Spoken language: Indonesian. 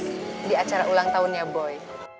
di acara ulang tahunnya boy